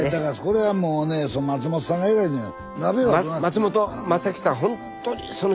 これはもうね松本さんが偉いのよ。